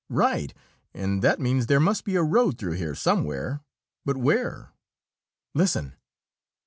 "Right. And that means there must be a road through here somewhere! But where?" "Listen."